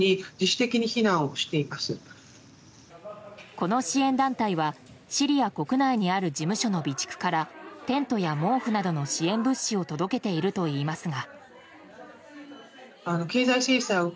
この支援団体はシリア国内にある事務所の備蓄からテントや毛布などの支援物資を届けているといいますが。